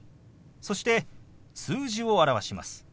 そして数字を表します。